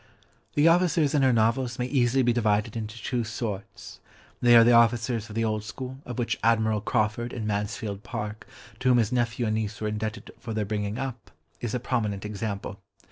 The officers in her novels may easily be divided into two sorts, they are the officers of the old school, of which Admiral Crawford, in Mansfield Park, to whom his nephew and niece were indebted for their bringing up, is a prominent example.